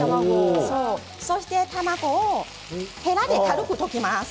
そして卵をへらで軽く溶きます。